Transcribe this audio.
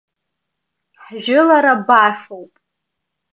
Ҳжәылара башоуп.